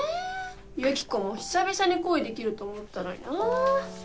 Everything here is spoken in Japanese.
ユキコも久々に恋できると思ったのになぁ。